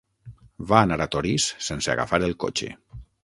Va anar a Torís sense agafar el cotxe.